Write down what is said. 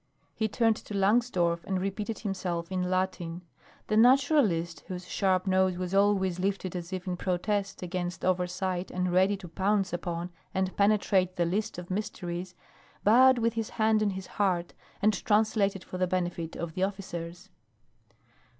He turned to Langsdorff and repeated himself in Latin. The naturalist, whose sharp nose was always lifted as if in protest against oversight and ready to pounce upon and penetrate the least of mysteries, bowed with his hand on his heart, and translated for the benefit of the officers.